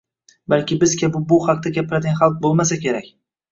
Balki biz kabi bu haqda gapiradigan xalq bo'lmasa kerak